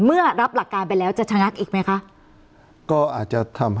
เมื่อรับหลักการไปแล้วจะชะงักอีกไหมคะก็อาจจะทำให้